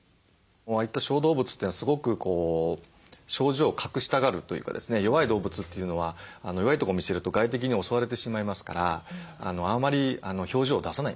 わりと小動物というのはすごく症状を隠したがるというかですね弱い動物というのは弱いとこ見せると外敵に襲われてしまいますからあまり表情を出さないんですね。